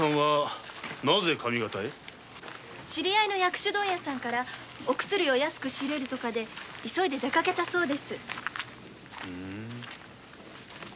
知り合いの薬種問屋から安く仕入れるとかで出かけたそうです。